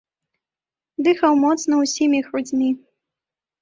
Дыхаў моцна ўсімі грудзьмі.